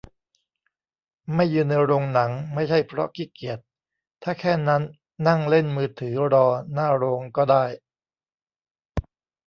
ไม่ยืนในโรงหนังไม่ใช่เพราะขี้เกียจ ถ้าแค่นั้นนั่งเล่นมือถือรอหน้าโรงก็ได้